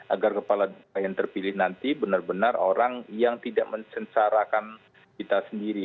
agar kepala yang terpilih nanti benar benar orang yang tidak mencengsarakan kita sendiri